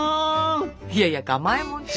いやいやかまえもんって。